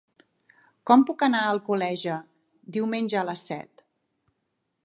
Com puc anar a Alcoleja diumenge a les set?